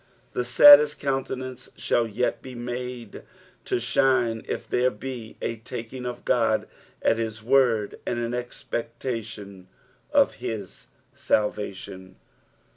The saddest countenance shall yet be made to shine, if there be a taking of Qod at hia word and an expectation of his salvation.